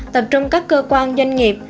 tập trung các cơ quan doanh nghiệp